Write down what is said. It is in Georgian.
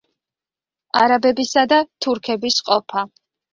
არაბებისა და თურქების ყოფა.